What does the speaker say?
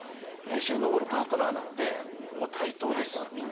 一緒に登るパートナーなのでもう対等ですみんな。